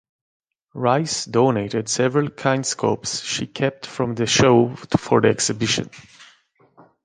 Rice donated several kinescopes she kept from the show for the exhibition.